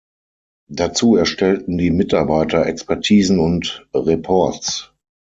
Dazu erstellten die Mitarbeiter Expertisen und Reports.